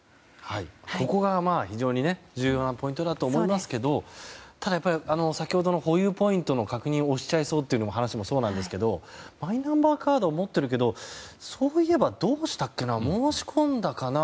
ここが非常に重要なポイントだと思いますけどただ先ほどの保有ポイントの確認を押しちゃいそうという話もそうですがマイナンバーカードは持っているけどそういえば、どうしたっけな申し込んだかな。